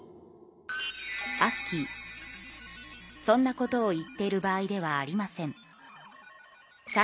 アッキーそんなことを言っている場合ではありません。です。